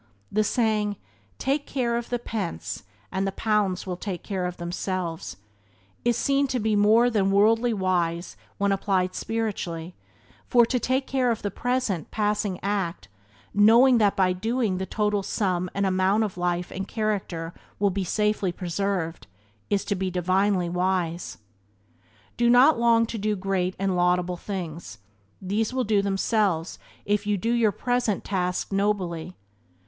The saying "Take care of the pence and the pounds will take care of themselves" is seen to be more than worldly wise when applied spiritually, for, to take care of the present, passing act, knowing that by so doing the total sum and amount of life and character will be safely preserved, is to be divinely wise. Do not long to do great and laudable things; these will do themselves if you do your present task nobly.